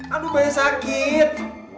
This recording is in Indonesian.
aduh banyak sakit